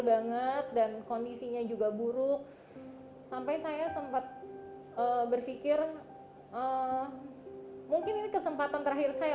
banget dan kondisinya juga buruk sampai saya sempat berpikir mungkin ini kesempatan terakhir saya